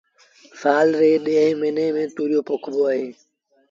سآل ري ڏهين موهيݩي ميݩ تُوريو پوکبو اهي